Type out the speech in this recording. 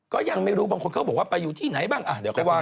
ก็ยังไม่รู้บางคนเขาบอกว่าไปอยู่ที่ไหนบ้างเดี๋ยวก็ว่า